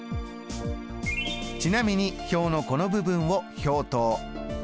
ちなみに表のこの部分を表頭。